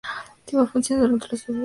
Funciona durante las horas diurnas.